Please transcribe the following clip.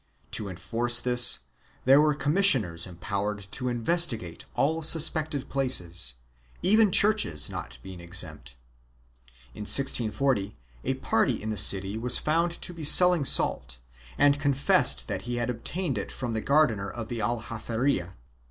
To enforce this there were commissioners empowered to investigate all suspected places, even churches not being exempt. In 1640 a party in the city was found to be selling salt and con fessed that he obtained it from the gardener of the Aljaferia.